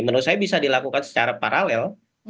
menurut saya bisa dilakukan secara paralel